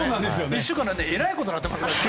１週間の間でえらいことになってますからね。